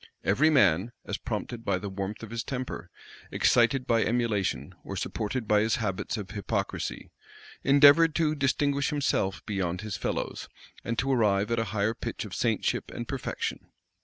Every man, as prompted by the warmth of his temper, excited by emulation, or supported by his habits of hypocrisy, endeavored to distinguish himself beyond his fellows, and to arrive at a higher pitch of saintship and perfection.